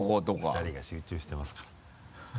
２人が集中してますから。